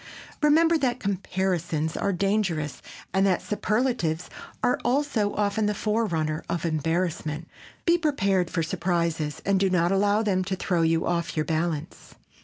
Remember that comparisons are dangerous and that superlatives are also often the forerunner of embarrassment. Be prepared for surprises and do not allow them to throw you off your balance.